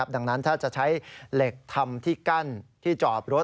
ดังนั้นถ้าจะใช้เหล็กทำที่กั้นที่จอบรถ